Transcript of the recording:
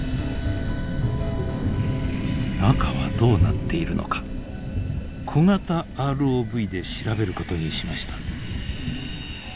中はどうなっているのか小型ＲＯＶで調べることにしました。